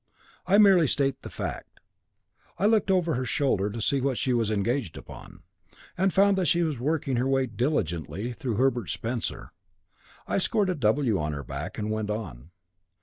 I merely state the fact. I looked over her shoulder to see what she was engaged upon, and found that she was working her way diligently through Herbert Spencer. I scored a W on her back and went on.